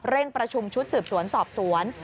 ประชุมชุดสืบสวนสอบสวน